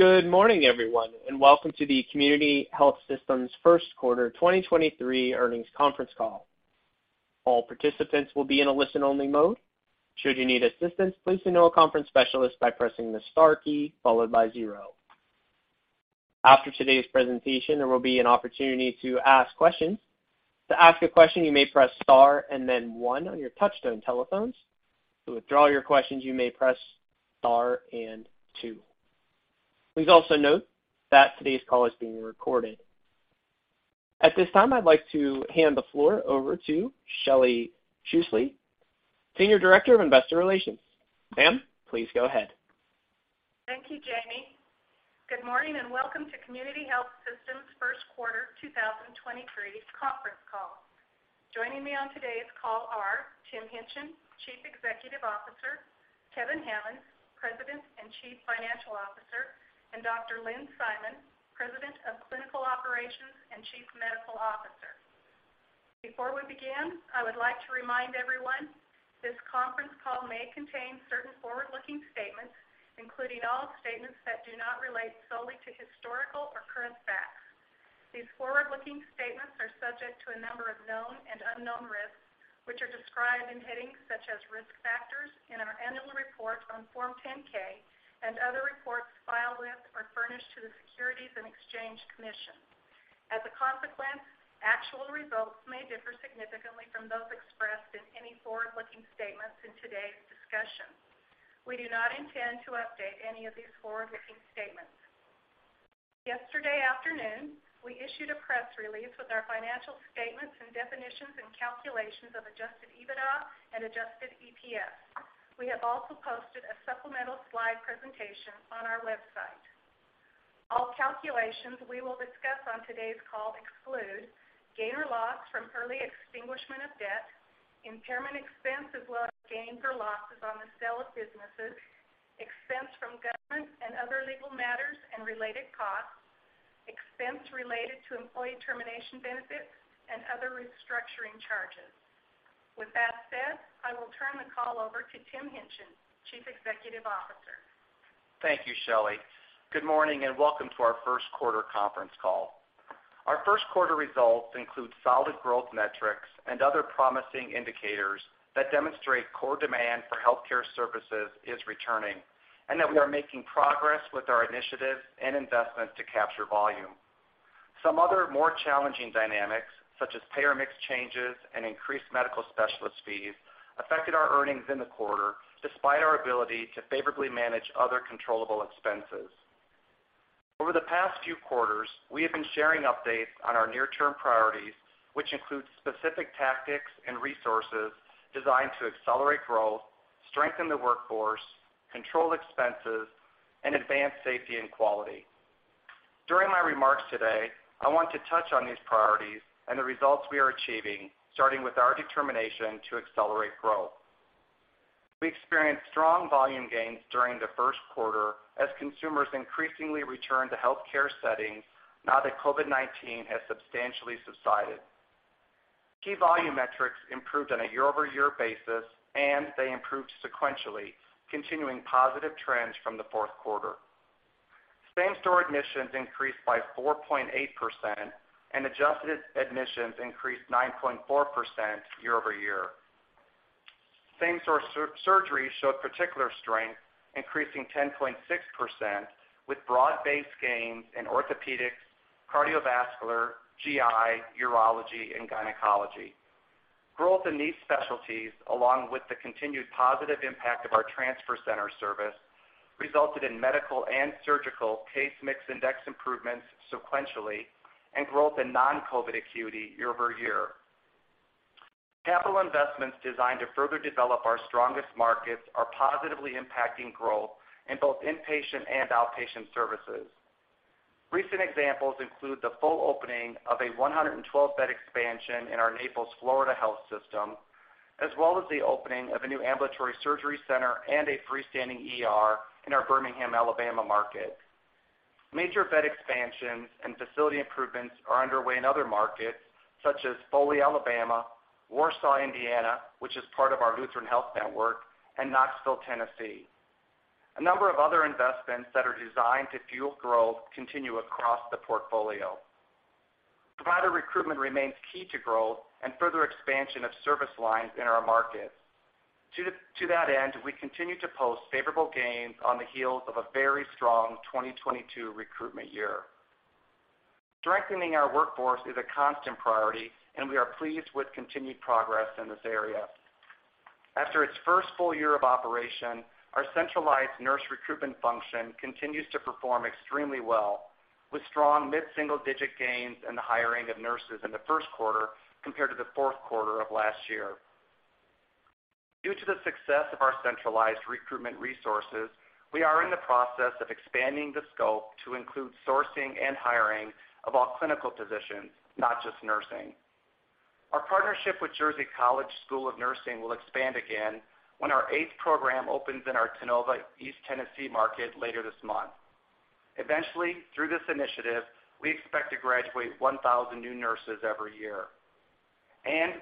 Good morning, everyone, welcome to the Community Health Systems first quarter 2023 earnings conference call. All participants will be in a listen-only mode. Should you need assistance, please signal a conference specialist by pressing the star key followed by 0. After today's presentation, there will be an opportunity to ask questions. To ask a question, you may press star and then 1 on your touchtone telephones. To withdraw your questions, you may press star and 2. Please also note that today's call is being recorded. At this time, I'd like to hand the floor over to Shelly Schussele, Senior Director of Investor Relations. Ma'am, please go ahead. Thank you, Jamie. Good morning, welcome to Community Health Systems first quarter 2023 conference call. Joining me on today's call are Tim Hingtgen, Chief Executive Officer, Kevin Hammons, President and Chief Financial Officer, and Dr. Lynn Simon, President of Clinical Operations and Chief Medical Officer. Before we begin, I would like to remind everyone this conference call may contain certain forward-looking statements, including all statements that do not relate solely to historical or current facts. These forward-looking statements are subject to a number of known and unknown risks, which are described in headings such as Risk Factors in our annual report on Form 10-K and other reports filed with or furnished to the Securities and Exchange Commission. As a consequence, actual results may differ significantly from those expressed in any forward-looking statements in today's discussion. We do not intend to update any of these forward-looking statements. Yesterday afternoon, we issued a press release with our financial statements and definitions and calculations of adjusted EBITDA and adjusted EPS. We have also posted a supplemental slide presentation on our website. All calculations we will discuss on today's call exclude gain or loss from early extinguishment of debt, impairment expense as well as gains or losses on the sale of businesses, expense from government and other legal matters and related costs, expense related to employee termination benefits and other restructuring charges. I will turn the call over to Tim Hingtgen, Chief Executive Officer. Thank you, Shelly Schussele. Good morning, and welcome to our first quarter conference call. Our first quarter results include solid growth metrics and other promising indicators that demonstrate core demand for healthcare services is returning, that we are making progress with our initiatives and investments to capture volume. Some other more challenging dynamics, such as payer mix changes and increased medical specialist fees, affected our earnings in the quarter despite our ability to favorably manage other controllable expenses. Over the past few quarters, we have been sharing updates on our near-term priorities, which include specific tactics and resources designed to accelerate growth, strengthen the workforce, control expenses, and advance safety and quality. During my remarks today, I want to touch on these priorities and the results we are achieving, starting with our determination to accelerate growth. We experienced strong volume gains during the first quarter as consumers increasingly return to healthcare settings now that COVID-19 has substantially subsided. Key volume metrics improved on a year-over-year basis, and they improved sequentially, continuing positive trends from the fourth quarter. Same-store admissions increased by 4.8%, and adjusted admissions increased 9.4% year over year. Same-store surgeries showed particular strength, increasing 10.6%, with broad-based gains in orthopedics, cardiovascular, GI, urology, and gynecology. Growth in these specialties, along with the continued positive impact of our transfer center service, resulted in medical and surgical case mix index improvements sequentially and growth in non-COVID acuity year over year. Capital investments designed to further develop our strongest markets are positively impacting growth in both inpatient and outpatient services. Recent examples include the full opening of a 112-bed expansion in our Naples, Florida, health system, as well as the opening of a new ambulatory surgery center and a freestanding ER in our Birmingham, Alabama, market. Major bed expansions and facility improvements are underway in other markets, such as Foley, Alabama, Warsaw, Indiana, which is part of our Lutheran Health Network, and Knoxville, Tennessee. A number of other investments that are designed to fuel growth continue across the portfolio. Provider recruitment remains key to growth and further expansion of service lines in our markets. To that end, we continue to post favorable gains on the heels of a very strong 2022 recruitment year. Strengthening our workforce is a constant priority, and we are pleased with continued progress in this area. After its 1st full year of operation, our centralized nurse recruitment function continues to perform extremely well, with strong mid-single-digit gains in the hiring of nurses in the 1st quarter compared to the 4th quarter of last year. Due to the success of our centralized recruitment resources, we are in the process of expanding the scope to include sourcing and hiring of all clinical positions, not just nursing. Our partnership with Jersey College School of Nursing will expand again when our 8th program opens in our Tennova East Tennessee market later this month. Eventually, through this initiative, we expect to graduate 1,000 new nurses every year.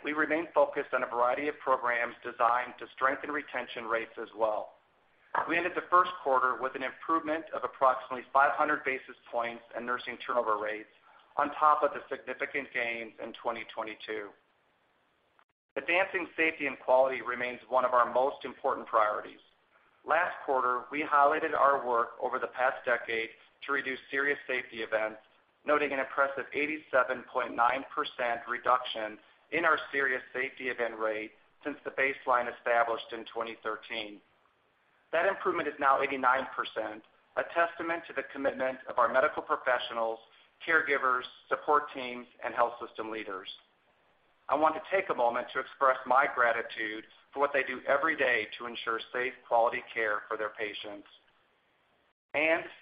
We remain focused on a variety of programs designed to strengthen retention rates as well. We ended the 1st quarter with an improvement of approximately 500 basis points in nursing turnover rates on top of the significant gains in 2022. Advancing safety and quality remains one of our most important priorities. Last quarter, we highlighted our work over the past decade to reduce serious safety events, noting an impressive 87.9% reduction in our serious safety event rate since the baseline established in 2013. That improvement is now 89%, a testament to the commitment of our medical professionals, caregivers, support teams, and health system leaders.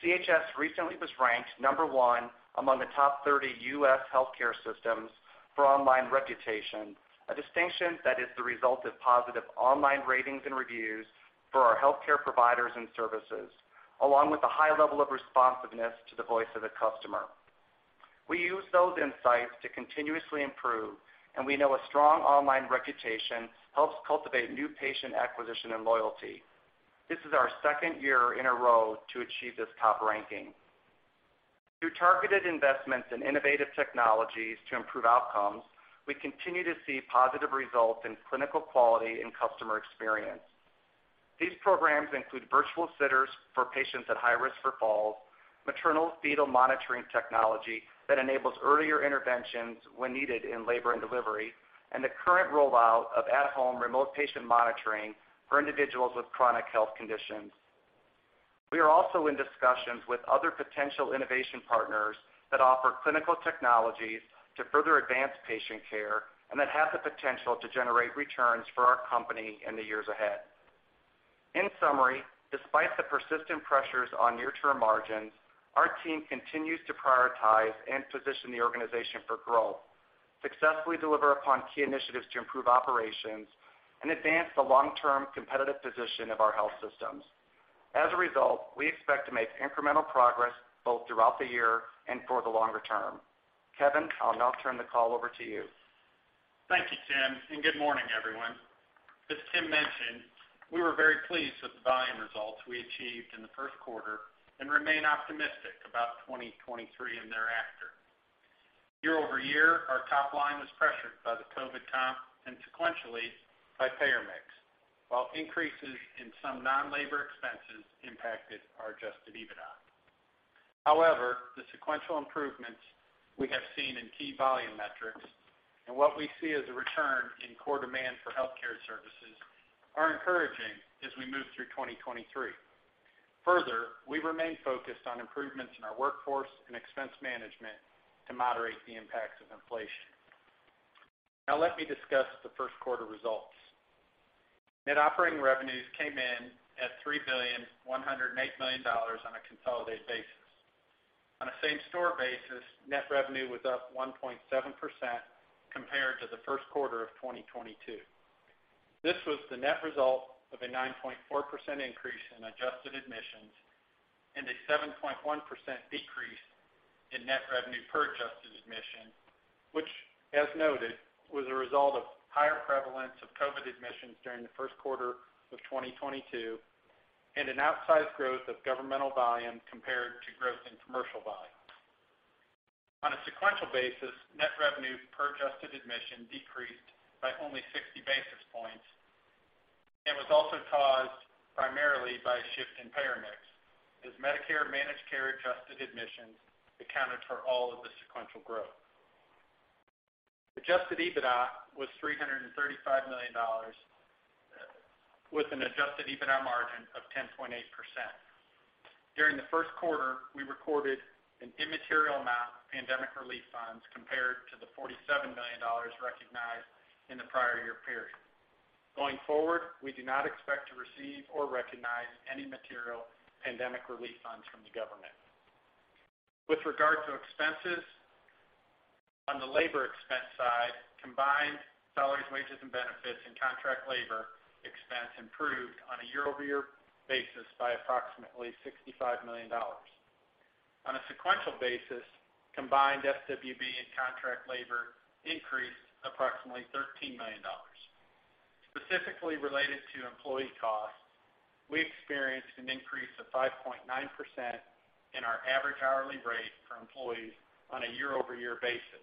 CHS recently was ranked number one among the top 30 U.S. healthcare systems for online reputation, a distinction that is the result of positive online ratings and reviews for our healthcare providers and services, along with a high level of responsiveness to the voice of the customer. We use those insights to continuously improve, and we know a strong online reputation helps cultivate new patient acquisition and loyalty. This is our 2nd year in a row to achieve this top ranking. Through targeted investments in innovative technologies to improve outcomes, we continue to see positive results in clinical quality and customer experience. These programs include virtual sitters for patients at high risk for falls, maternal fetal monitoring technology that enables earlier interventions when needed in labor and delivery, and the current rollout of at-home remote patient monitoring for individuals with chronic health conditions. We are also in discussions with other potential innovation partners that offer clinical technologies to further advance patient care and that have the potential to generate returns for our company in the years ahead. In summary, despite the persistent pressures on near-term margins, our team continues to prioritize and position the organization for growth, successfully deliver upon key initiatives to improve operations, and advance the long-term competitive position of our health systems. As a result, we expect to make incremental progress both throughout the year and for the longer term. Kevin, I'll now turn the call over to you. Thank you, Tim, good morning, everyone. As Tim mentioned, we were very pleased with the volume results we achieved in the first quarter and remain optimistic about 2023 and thereafter. Year-over-year, our top line was pressured by the COVID comp and sequentially by payer mix, while increases in some non-labor expenses impacted our adjusted EBITDA. However, the sequential improvements we have seen in key volume metrics and what we see as a return in core demand for healthcare services are encouraging as we move through 2023. Further, we remain focused on improvements in our workforce and expense management to moderate the impacts of inflation. Now let me discuss the first quarter results. Net operating revenues came in at $3.108 billion on a consolidated basis. On a same-store basis, net revenue was up 1.7% compared to the first quarter of 2022. This was the net result of a 9.4% increase in adjusted admissions and a 7.1% decrease in net revenue per adjusted admission, which, as noted, was a result of higher prevalence of COVID-19 admissions during the first quarter of 2022 and an outsized growth of governmental volume compared to growth in commercial volume. On a sequential basis, net revenue per adjusted admission decreased by only 60 basis points and was also caused primarily by a shift in payer mix, as Medicare Managed Care adjusted admissions accounted for all of the sequential growth. Adjusted EBITDA was $335 million, with an adjusted EBITDA margin of 10.8%. During the first quarter, we recorded an immaterial amount of pandemic relief funds compared to the $47 million recognized in the prior year period. Going forward, we do not expect to receive or recognize any material pandemic relief funds from the government. With regard to expenses, on the labor expense side, combined salaries, wages, and benefits and contract labor expense improved on a year-over-year basis by approximately $65 million. On a sequential basis, combined SWB and contract labor increased approximately $13 million. Specifically related to employee costs, we experienced an increase of 5.9% in our average hourly rate for employees on a year-over-year basis.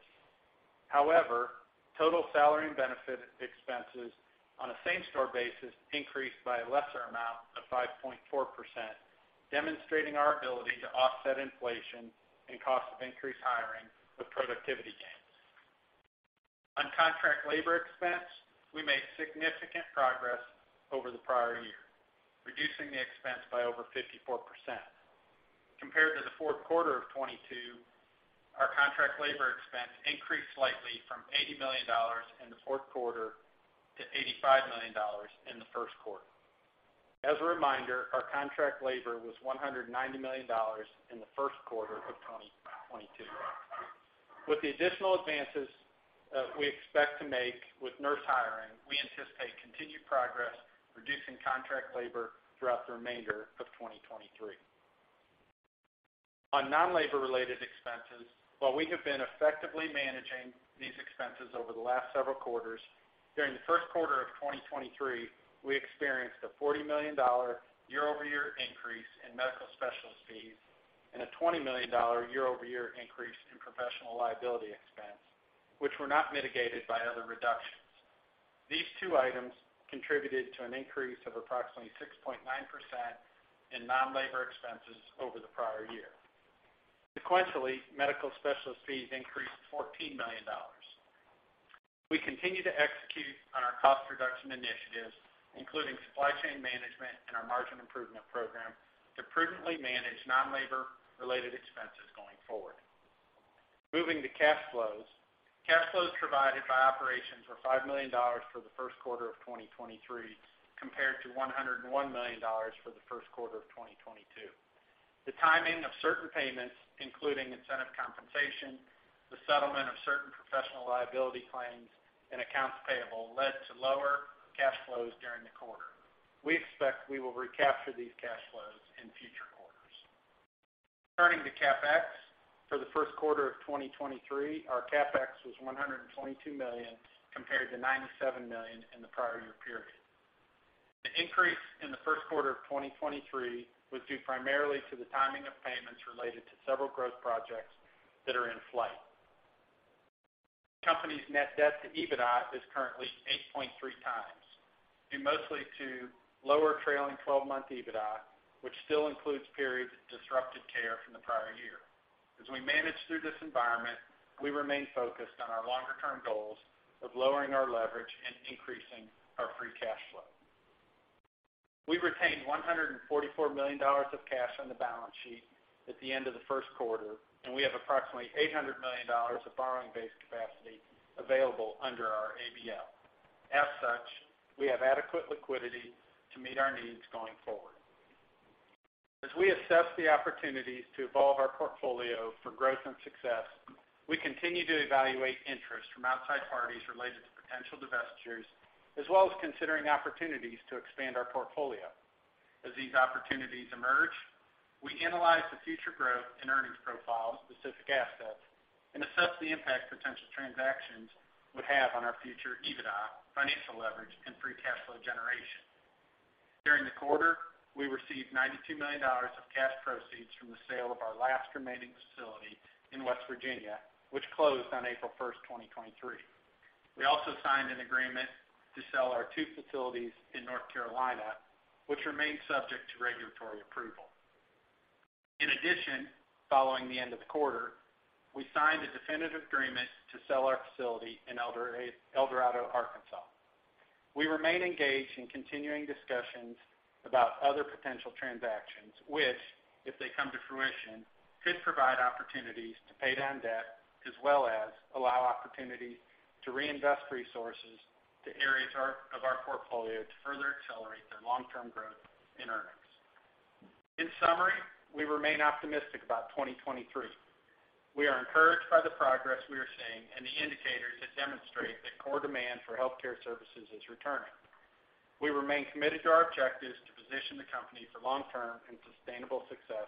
However, total salary and benefit expenses on a same-store basis increased by a lesser amount of 5.4%, demonstrating our ability to offset inflation and cost of increased hiring with productivity gains. Contract labor expense, we made significant progress over the prior year, reducing the expense by over 54%. Compared to the fourth quarter of 2022, our contract labor expense increased slightly from $80 million in the fourth quarter to $85 million in the first quarter. As a reminder, our contract labor was $190 million in the first quarter of 2022. With the additional advances we expect to make with nurse hiring, we anticipate continued progress reducing contract labor throughout the remainder of 2023. Non-labor related expenses, while we have been effectively managing these expenses over the last several quarters, during the first quarter of 2023, we experienced a $40 million year-over-year increase in medical specialist fees and a $20 million year-over-year increase in professional liability expense, which were not mitigated by other reductions. These two items contributed to an increase of approximately 6.9% in non-labor expenses over the prior year. Sequentially, medical specialist fees increased $14 million. We continue to execute on our cost reduction initiatives, including supply chain management and our margin improvement program, to prudently manage non-labor related expenses going forward. Moving to cash flows. Cash flows provided by operations were $5 million for the first quarter of 2023 compared to $101 million for the first quarter of 2022. The timing of certain payments, including incentive compensation, the settlement of certain professional liability claims and accounts payable, led to lower cash flows during the quarter. We expect we will recapture these cash flows in future quarters. Turning to CapEx. For the first quarter of 2023, our CapEx was $122 million compared to $97 million in the prior year period. The increase in the first quarter of 2023 was due primarily to the timing of payments related to several growth projects that are in flight. The company's net debt to EBITDA is currently 8.3 times, due mostly to lower trailing twelve-month EBITDA, which still includes periods of disrupted care from the prior year. As we manage through this environment, we remain focused on our longer-term goals of lowering our leverage and increasing our free cash flow. We retained $144 million of cash on the balance sheet at the end of the first quarter, and we have approximately $800 million of borrowing-based capacity available under our ABL. As such, we have adequate liquidity to meet our needs going forward. As we assess the opportunities to evolve our portfolio for growth and success, we continue to evaluate interest from outside parties related to potential divestitures, as well as considering opportunities to expand our portfolio. As these opportunities emerge, we analyze the future growth and earnings profiles of specific assets and assess the impact potential transactions would have on our future EBITDA, financial leverage and free cash flow generation. During the quarter, we received $92 million of cash proceeds from the sale of our last remaining facility in West Virginia, which closed on April 1, 2023. We also signed an agreement to sell our two facilities in North Carolina, which remain subject to regulatory approval. Following the end of the quarter, we signed a definitive agreement to sell our facility in El Dorado, Arkansas. We remain engaged in continuing discussions about other potential transactions, which, if they come to fruition, could provide opportunities to pay down debt as well as allow opportunities to reinvest resources to areas of our portfolio to further accelerate their long-term growth in earnings. In summary, we remain optimistic about 2023. We are encouraged by the progress we are seeing and the indicators that demonstrate that core demand for healthcare services is returning. We remain committed to our objectives to position the company for long-term and sustainable success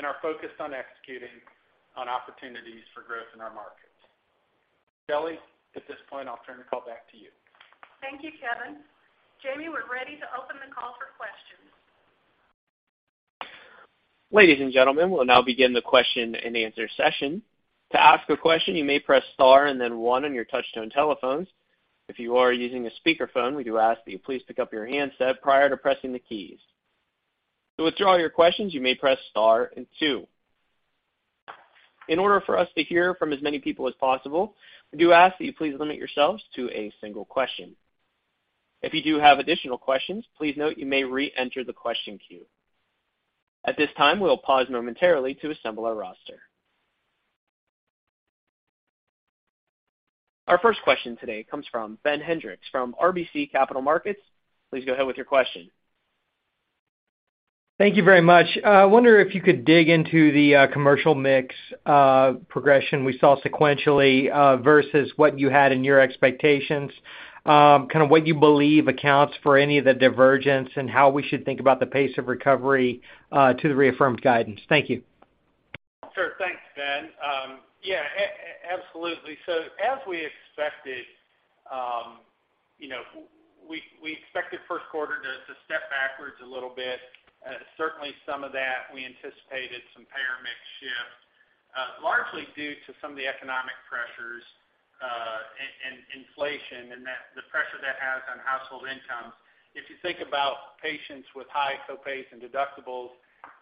and are focused on executing on opportunities for growth in our markets. Shelly Schussele, at this point, I'll turn the call back to you. Thank you, Kevin Hammons. Jamie, we're ready to open the call for questions. Ladies and gentlemen, we'll now begin the question-and-answer session. To ask a question, you may press star and then 1 on your touch-tone telephones. If you are using a speakerphone, we do ask that you please pick up your handset prior to pressing the keys. To withdraw your questions, you may press star and 2. In order for us to hear from as many people as possible, we do ask that you please limit yourselves to a single question. If you do have additional questions, please note you may reenter the question queue. At this time, we'll pause momentarily to assemble our roster. Our first question today comes from Ben Hendrix from RBC Capital Markets. Please go ahead with your question. Thank you very much. I wonder if you could dig into the commercial mix progression we saw sequentially versus what you had in your expectations? Kind of what you believe accounts for any of the divergence and how we should think about the pace of recovery to the reaffirmed guidance? Thank you. Sure. Thanks, Ben Hendrix. Yeah, absolutely. As we expected first quarter to step backwards a little bit. Certainly some of that we anticipated some payer mix shift, largely due to some of the economic pressures, and inflation, and that, the pressure that has on household incomes. If you think about patients with high co-pays and deductibles,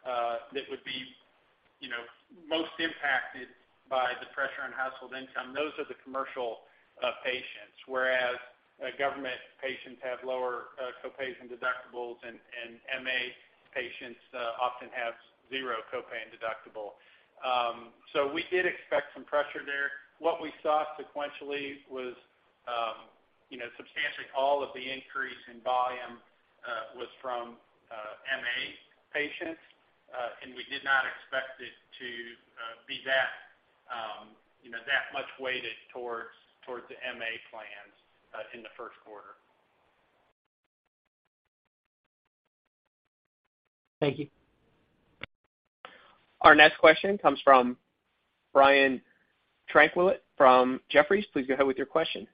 that would be most impacted by the pressure on household income, those are the commercial patients, whereas government patients have lower co-pays and deductibles, and MA patients often have zero co-pay and deductible. We did expect some pressure there. What we saw sequentially was substantially all of the increase in volume was from MA patients. We did not expect it to be that much weighted towards the MA plans in the first quarter. Thank you. Our next question comes from Brian Tanquilut from Jefferies. Please go ahead with your question.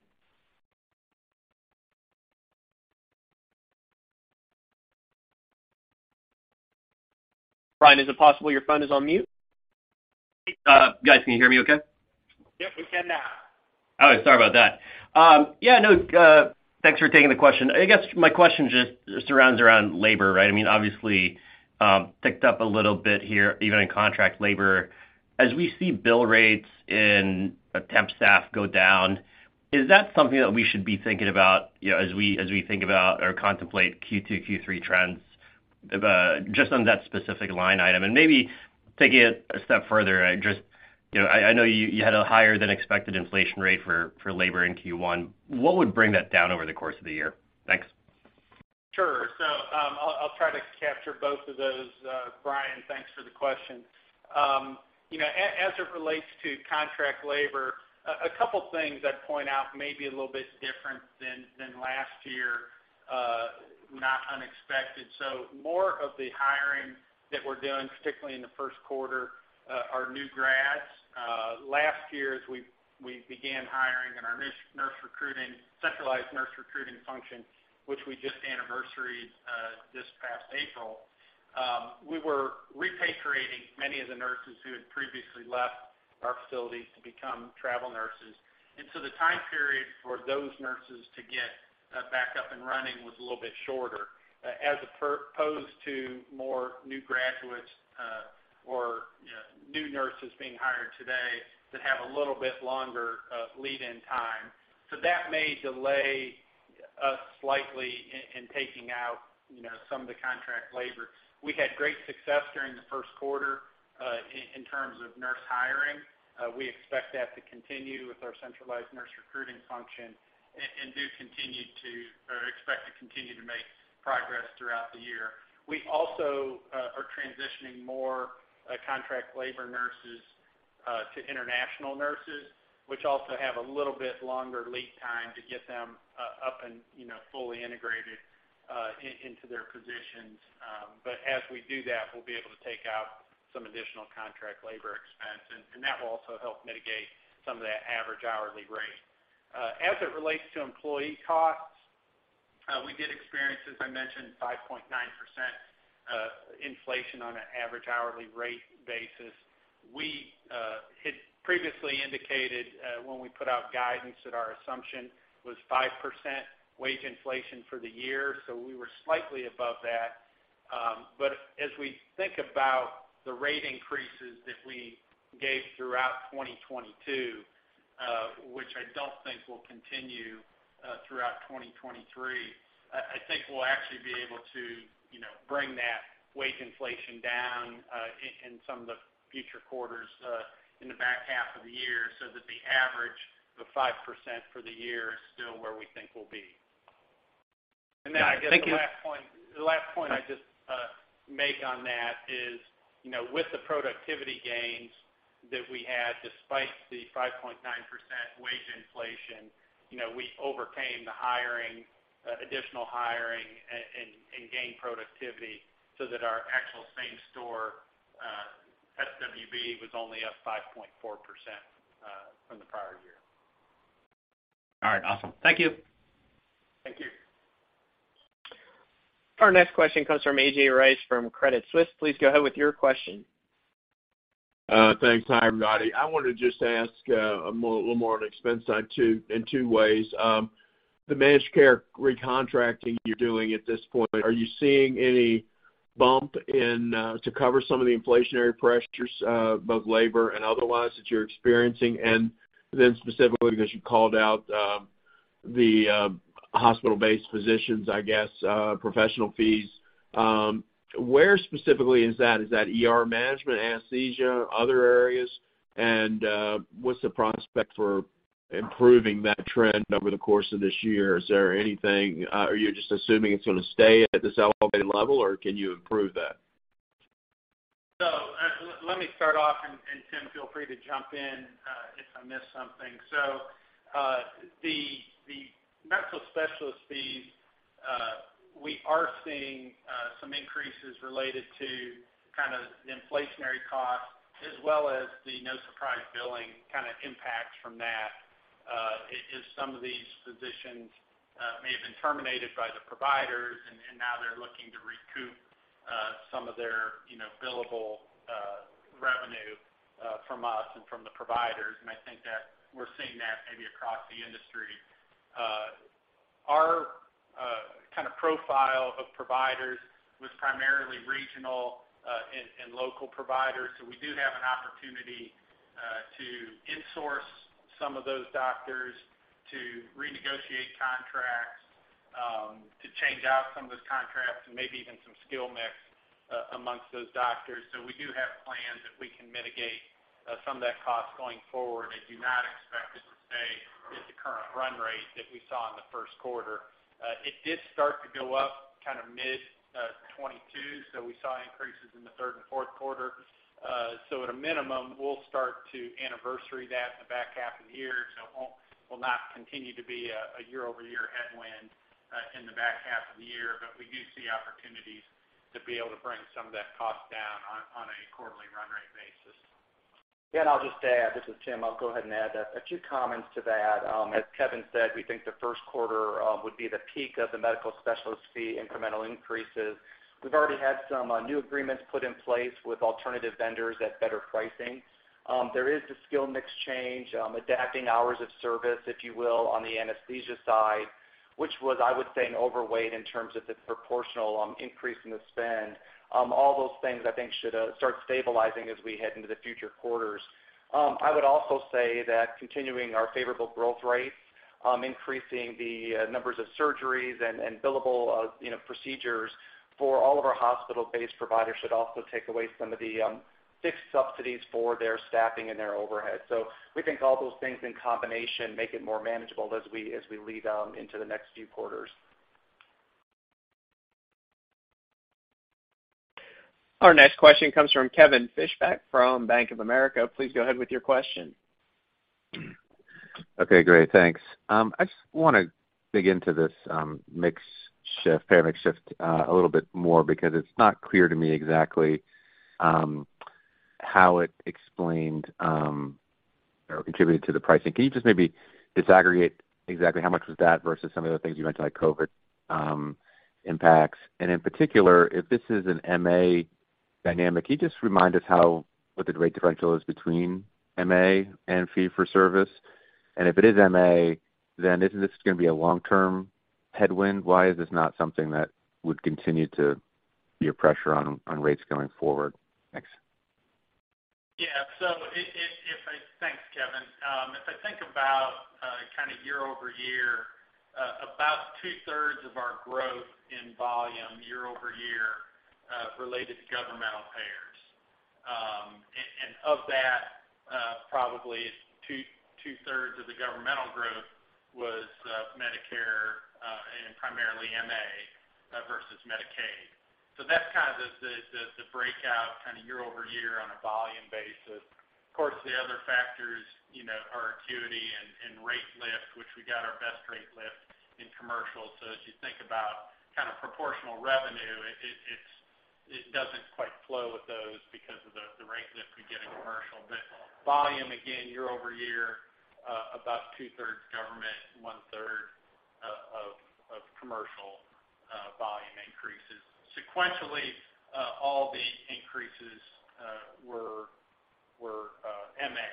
Brian, is it possible your phone is on mute? Guys, can you hear me okay? Yep, we can now. All right. Sorry about that. Yeah, no, thanks for taking the question. I guess my question just surrounds around labor, right? I mean, obviously, ticked up a little bit here, even in contract labor. As we see bill rates in temp staff go down, is that something that we should be thinking aboutas we think about or contemplate Q2, Q3 trends, just on that specific line item? Maybe taking it a step further, I know you had a higher than expected inflation rate for labor in Q1. What would bring that down over the course of the year? Thanks. Sure. I'll try to capture both of those, Brian Tanquilut, thanks for the question. As it relates to contract labor, a couple things I'd point out may be a little bit different than last year, not unexpected. More of the hiring that we're doing, particularly in the first quarter, are new grads. Last year, as we began hiring in our nurse recruiting, centralized nurse recruiting function, which we just anniversaried this past April, we were repatriating many of the nurses who had previously left our facilities to become travel nurses. The time period for those nurses to get back up and running was a little bit shorter, as opposed to more new graduates, or new nurses being hired today that have a little bit longer lead-in time. That may delay us slightly in taking out some of the contract labor. We had great success during the first quarter in terms of nurse hiring. We expect that to continue with our centralized nurse recruiting function and do continue to or expect to continue to make progress throughout the year. We also are transitioning more contract labor nurses to international nurses, which also have a little bit longer lead time to get them up and fully integrated into their positions. As we do that, we'll be able to take out some additional contract labor expense, and that will also help mitigate some of that average hourly rate. As it relates to employee costs, we did experience, as I mentioned, 5.9% inflation on an average hourly rate basis. We had previously indicated when we put out guidance that our assumption was 5% wage inflation for the year, so we were slightly above that. As we think about the rate increases that we gave throughout 2022, which I don't think will continue, throughout 2023, I think we'll actually be able to bring that wage inflation down, in some of the future quarters, in the back half of the year so that the average, the 5% for the year is still where we think we'll be. Got it. Thank you. Then I guess the last point I just make on that is with the productivity gains that we had, despite the 5.9% wage inflation we overcame the hiring, additional hiring and gained productivity so that our actual same store, SWB was only up 5.4% from the prior year. All right. Awesome. Thank you. Thank you. Our next question comes from AJ Rice from Credit Suisse. Please go ahead with your question. Thanks. Hi, everybody. I wanted to just ask a little more on expense side too, in two ways. The managed care recontracting you're doing at this point, are you seeing any bump in to cover some of the inflationary pressures, both labor and otherwise that you're experiencing? Then specifically, because you called out the hospital-based physicians, I guess, professional fees, where specifically is that? Is that ER management, anesthesia, other areas? What's the prospect for improving that trend over the course of this year? Is there anything, are you just assuming it's gonna stay at this elevated level, or can you improve that? Let me start off, and Tim Hingtgen, feel free to jump in if I miss something. The medical specialist fees, we are seeing some increases related to kind of the inflationary costs as well as the no-surprise billing kind of impact from that, as some of these physicians may have been terminated by the providers, and now they're looking to recoup some of their billable revenue from us and from the providers. I think that we're seeing that maybe across the industry. Our kind of profile of providers was primarily regional and local providers. We do have an opportunity to insource some of those doctors to renegotiate contracts, to change out some of those contracts and maybe even some skill mix amongst those doctors. We do have plans that we can mitigate some of that cost going forward and do not expect it to stay at the current run rate that we saw in the first quarter. It did start to go up kind of mid-2022. We saw increases in the third and fourth quarter. At a minimum, we'll start to anniversary that in the back half of the year. It will not continue to be a year-over-year headwind in the back half of the year. We do see opportunities to be able to bring some of that cost down on a quarterly run rate basis. Yeah, I'll just add. This is Tim Hingtgen. I'll go ahead and add a few comments to that. As Kevin said, we think the first quarter would be the peak of the medical specialist fee incremental increases. We've already had some new agreements put in place with alternative vendors at better pricing. There is the skill mix change, adapting hours of service, if you will, on the anesthesia side, which was, I would say, an overweight in terms of the proportional increase in the spend. All those things, I think, should start stabilizing as we head into the future quarters. I would also say that continuing our favorable growth rates, increasing the numbers of surgeries and billable procedures for all of our hospital-based providers should also take away some of the fixed subsidies for their staffing and their overhead. We think all those things in combination make it more manageable as we lead into the next few quarters. Our next question comes from Kevin Fischbeck from Bank of America. Please go ahead with your question. Okay, great. Thanks. I just wanna dig into this mix shift, payer mix shift, a little bit more because it's not clear to me exactly how it explained or contributed to the pricing. Can you just maybe disaggregate exactly how much was that versus some of the other things you mentioned, like COVID impacts? In particular, if this is an MA dynamic, can you just remind us what the rate differential is between MA and fee for service? If it is MA, then isn't this gonna be a long-term headwind? Why is this not something that would continue to be a pressure on rates going forward? Thanks. Yeah. Thanks, Kevin Fischbeck. If I think about kinda year-over-year, about 2/3 of our growth in volume year-over-year related to governmental payers. And of that, probably 2/3 of the governmental growth was Medicare and primarily MA versus Medicaid. That's kind of the breakout kinda year-over-year on a volume basis. Of course, the other factors are acuity and rate lift, which we got our best rate lift in commercial. As you think about kind of proportional revenue, it doesn't quite flow with those because of the rate lift we get in commercial. Volume, again, year-over-year, about 2/3 government, 1/3 of commercial volume increases. Sequentially, all the increases were MA.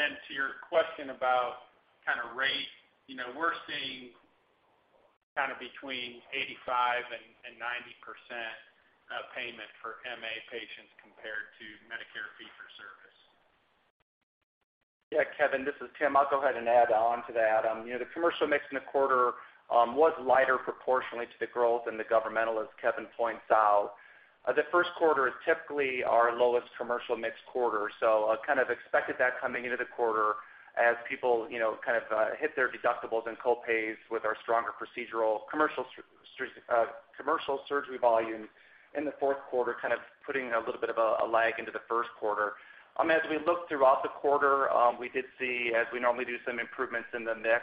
Then to your question about kinda rate now, we're seeing kinda between 85% and 90% of payment for MA patients compared to Medicare fee for service. Yeah, Kevin Fischbeck, this is Tim Hingtgen. I'll go ahead and add on to that. The commercial mix in the quarter was lighter proportionally to the growth in the governmental, as Kevin points out. The first quarter is typically our lowest commercial mix quarter. I kind of expected that coming into the quarter as people hit their deductibles and co-pays with our stronger procedural commercial surgery volume in the fourth quarter, kind of putting a little bit of a lag into the first quarter. As we look throughout the quarter, we did see, as we normally do, some improvements in the mix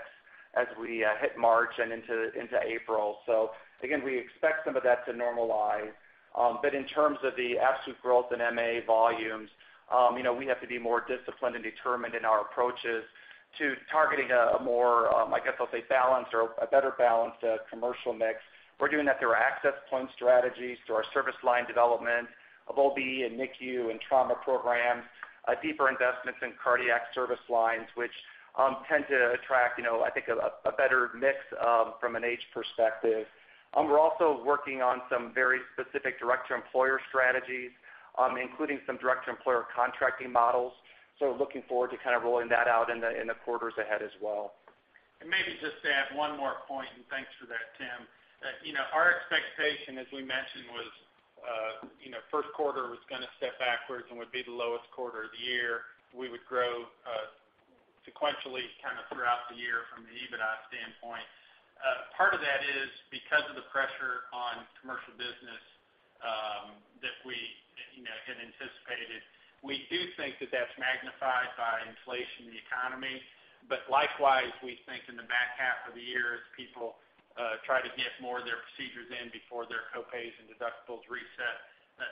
as we hit March and into April. Again, we expect some of that to normalize. In terms of the absolute growth in MA volumes we have to be more disciplined and determined in our approaches to targeting a more, I guess I'll say, balanced or a better balanced, commercial mix. We're doing that through our access point strategies, through our service line development of OB and NICU and trauma programs, deeper investments in cardiac service lines, which, tend to attract I think a better mix, from an age perspective. We're also working on some very specific direct-to-employer strategies, including some direct-to-employer contracting models. Looking forward to kind of rolling that out in the, in the quarters ahead as well. Maybe just to add one more point, and thanks for that, Tim. Our expectation, as we mentioned was now, first quarter was gonna step backwards and would be the lowest quarter of the year. We would grow, sequentially kinda throughout the year from an EBITDA standpoint. Part of that is because of the pressure on commercial business, that we had anticipated. We do think that that's magnified by inflation in the economy. Likewise, we think in the back half of the year, as people try to get more of their procedures in before their co-pays and deductibles reset,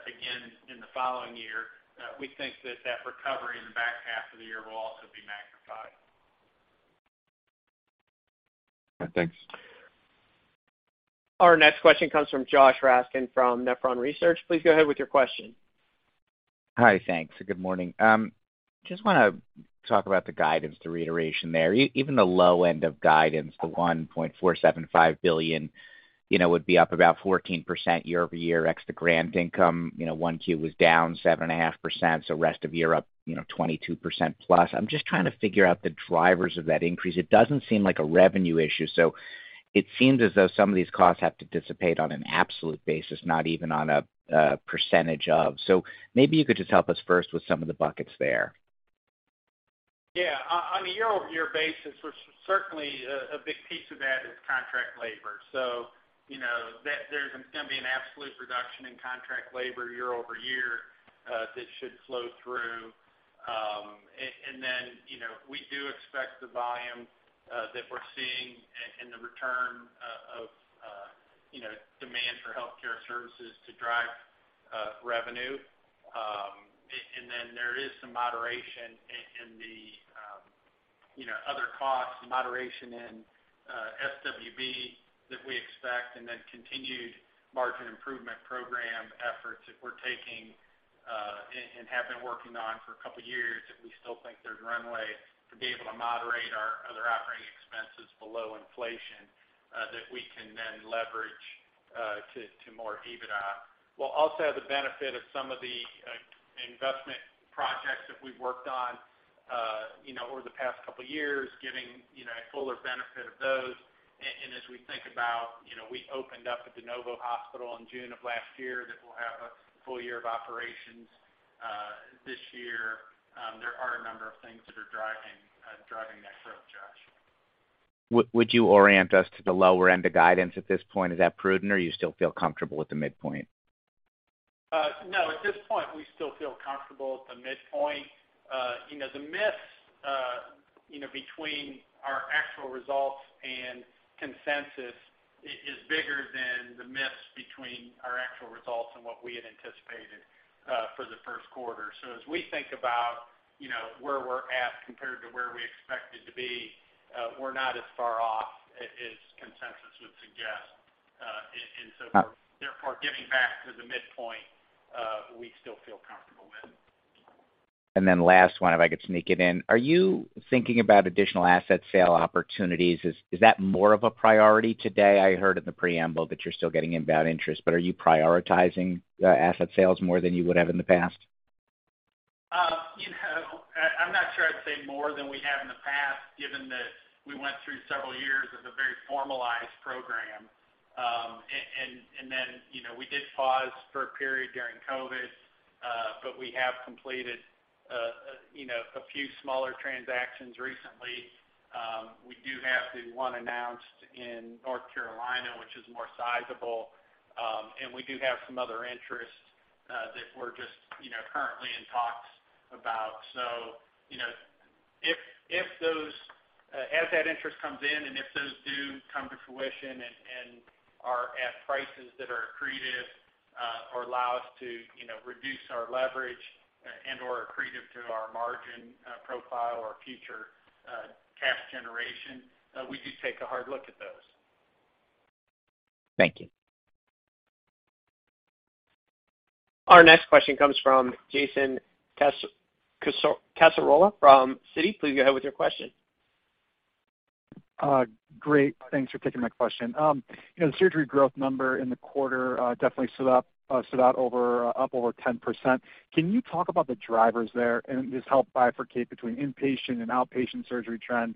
again in the following year, we think that that recovery in the back half of the year will also be magnified. Thanks. Our next question comes from Josh Raskin from Nephron Research. Please go ahead with your qu`estion. Hi. Thanks. Good morning. Just want to talk about the guidance, the reiteration there. Even the low end of guidance, the $1.475 billion, would be up about 14% year-over-year ex the grant income. 1Q was down 7.5%, so rest of year up 22%+. I'm just trying to figure out the drivers of that increase. It doesn't seem like a revenue issue, so it seems as though some of these costs have to dissipate on an absolute basis, not even on a percentage of. Maybe you could just help us first with some of the buckets there? Yeah. On a year-over-year basis, we're certainly a big piece of that is contract labor. That there's gonna be an absolute reduction in contract labor year-over-year that should flow through. Then we do expect the volume that we're seeing and the return of demand for healthcare services to drive revenue. Then there is some moderation in the other costs, moderation in SWB that we expect, and then continued margin improvement program efforts that we're taking and have been working on for a couple years, that we still think there's runway to be able to moderate our other operating expenses below inflation, that we can then leverage to more EBITDA. We'll also have the benefit of some of the investment projects that we've worked on over the past couple years, giving a fuller benefit of those. As we think about we opened up a de novo hospital in June of last year that will have a full year of operations, this year. There are a number of things that are driving that growth, Josh. Would you orient us to the lower end of guidance at this point? Is that prudent, or you still feel comfortable with the midpoint? No. At this point, we still feel comfortable at the midpoint. The miss between our actual results and consensus is bigger than the miss between our actual results and what we had anticipated for the first quarter. As we think about where we're at compared to where we expected to be, we're not as far off as consensus would suggest. Therefore, getting back to the midpoint, we still feel comfortable with. Last one, if I could sneak it in. Are you thinking about additional asset sale opportunities? Is that more of a priority today? I heard in the preamble that you're still getting inbound interest, but are you prioritizing asset sales more than you would have in the past? I'm not sure I'd say more than we have in the past, given that we went through several years of a very formalized program. And then we did pause for a period during COVID, but we have completed, a few smaller transactions recently. We do have the one announced in North Carolina, which is more sizable. And we do have some other interests that we're just currently in talks about. If those-- as that interest comes in, and if those do come to fruition and are at prices that are accretive, or allow us to, reduce our leverage and/or accretive to our margin profile or future cash generation, we do take a hard look at those. Thank you. Our next question comes from Jason Cassorla from Citi. Please go ahead with your question. Great. Thanks for taking my question. The surgery growth number in the quarter definitely stood up, stood out over, up over 10%. Can you talk about the drivers there and this help bifurcate between inpatient and outpatient surgery trend?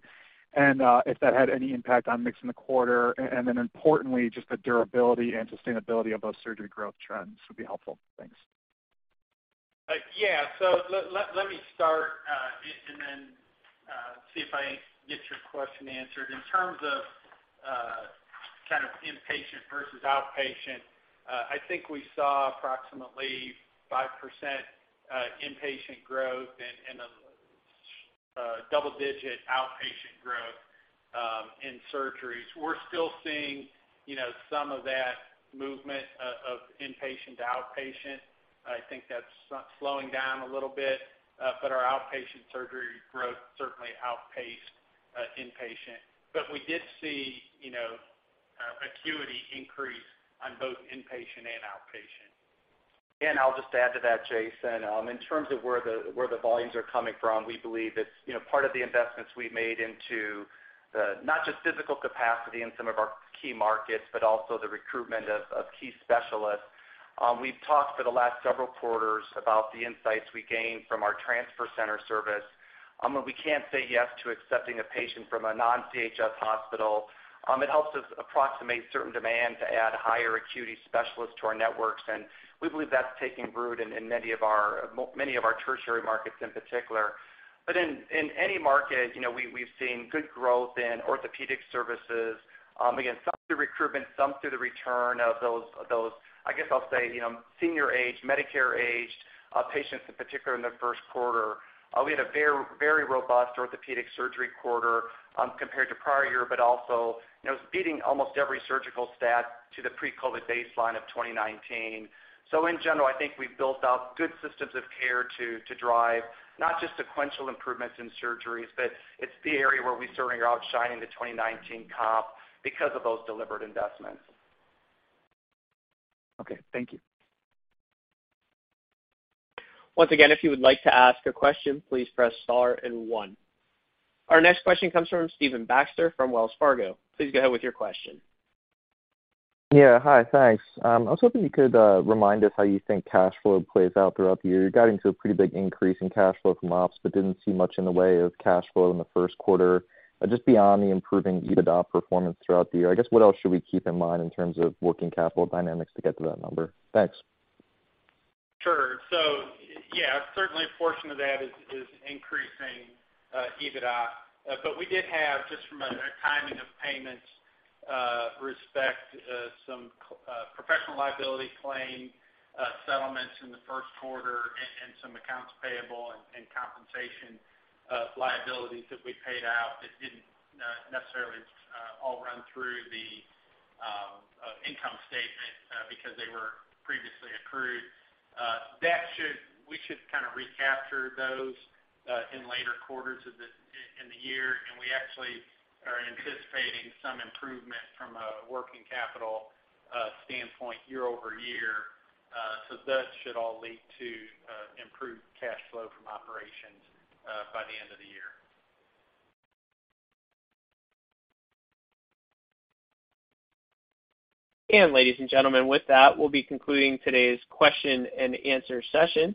If that had any impact on mixing the quarter, and then importantly, just the durability and sustainability of those surgery growth trends would be helpful. Thanks. Let me start, and then see if I get your question answered. In terms of kind of inpatient versus outpatient, I think we saw approximately 5% inpatient growth and a double-digit outpatient growth in surgeries. We're still seeing, some of that movement of inpatient to outpatient. I think that's slowing down a little bit, but our outpatient surgery growth certainly outpaced inpatient. We did see, acuity increase on both inpatient and outpatient. I'll just add to that, Jason Cassorla. In terms of where the volumes are coming from, we believe it's part of the investments we've made into not just physical capacity in some of our key markets, but also the recruitment of key specialists. We've talked for the last several quarters about the insights we gained from our transfer center service. When we can't say yes to accepting a patient from a non-CHS hospital, it helps us approximate certain demand to add higher acuity specialists to our networks, and we believe that's taking root in many of our tertiary markets in particular. In any market we've seen good growth in orthopedic services, again, some through recruitment, some through the return of those, I guess I'll say, senior age, Medicare aged patients in particular in the first quarter. We had a very robust orthopedic surgery quarter compared to prior year, but also, it was beating almost every surgical stat to the pre-COVID baseline of 2019. In general, I think we've built out good systems of care to drive not just sequential improvements in surgeries, but it's the area where we certainly are outshining the 2019 comp because of those deliberate investments. Okay. Thank you. Once again, if you would like to ask a question, please press star and one. Our next question comes from Stephen Baxter from Wells Fargo. Please go ahead with your question. Yeah. Hi. Thanks. I was hoping you could remind us how you think cash flow plays out throughout the year. You're guiding to a pretty big increase in cash flow from ops, but didn't see much in the way of cash flow in the first quarter. Just beyond the improving EBITDA performance throughout the year, I guess, what else should we keep in mind in terms of working capital dynamics to get to that number? Thanks. Sure. Yeah, certainly a portion of that is increasing EBITDA. We did have, just from a timing of payments, respect, some professional liability claim settlements in the first quarter and some accounts payable and compensation liabilities that we paid out that didn't necessarily all run through the income statement because they were previously accrued. We should kind of recapture those in later quarters of the year. We actually are anticipating some improvement from a working capital standpoint year-over-year. That should all lead to improved cash flow from operations by the end of the year. Ladies and gentlemen, with that, we'll be concluding today's question and answer session.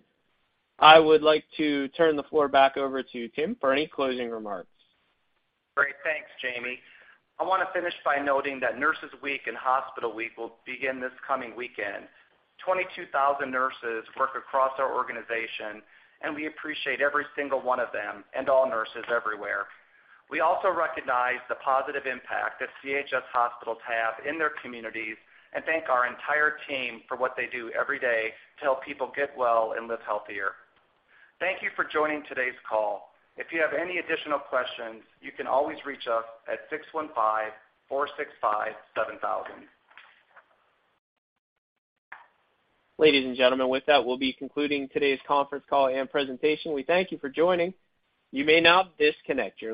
I would like to turn the floor back over to Tim Hingtgen for any closing remarks. Great. Thanks, Jamie. I wanna finish by noting that Nurses Week and Hospital Week will begin this coming weekend. 22,000 nurses work across our organization, and we appreciate every single one of them and all nurses everywhere. We also recognize the positive impact that CHS hospitals have in their communities, and thank our entire team for what they do every day to help people get well and live healthier. Thank you for joining today's call. If you have any additional questions, you can always reach us at 615-465-7000. Ladies and gentlemen, with that, we'll be concluding today's conference call and presentation. We thank you for joining. You may now disconnect your lines.